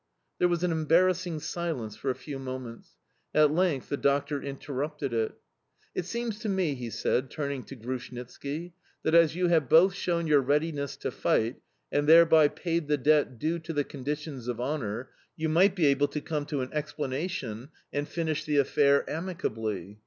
There was an embarrassing silence for a few moments. At length the doctor interrupted it. "It seems to me," he said, turning to Grushnitski, "that as you have both shown your readiness to fight, and thereby paid the debt due to the conditions of honour, you might be able to come to an explanation and finish the affair amicably."